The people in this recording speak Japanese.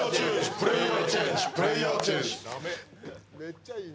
プレイヤーチェンジ、プレイヤーチェンジ。